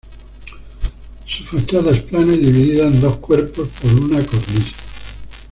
Su fachada es plana y dividida en dos cuerpos por una cornisa.